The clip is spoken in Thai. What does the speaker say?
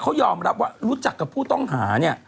เขายอมรับว่ารู้จักกับผู้ต้องหาเนี่ย